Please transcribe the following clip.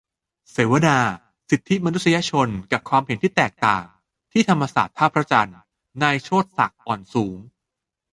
เสวนา "สิทธิมนุษยชนกับความเห็นที่แตกต่าง" ที่ธรรมศาสตร์ ท่าพระจันทร์ - นายโชติศักดิ์ อ่อนสูง